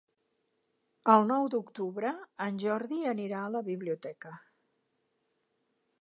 El nou d'octubre en Jordi anirà a la biblioteca.